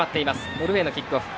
ノルウェーのキックオフ。